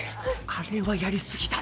あれはやり過ぎだろ。